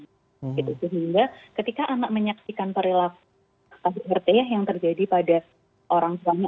gitu sehingga ketika anak menyaksikan perilaku kesehatan yang terjadi pada orang tua